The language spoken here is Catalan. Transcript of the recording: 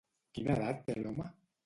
Quina edat té l'home?